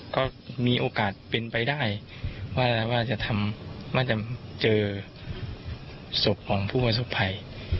ก็มีโอกาสเป็นไปได้ว่าจะเจอศพของผู้ประสบภัย